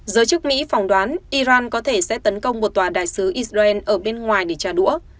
giới chức mỹ phỏng đoán iran có thể sẽ tấn công một tòa đại sứ israel ở bên ngoài để trả đũa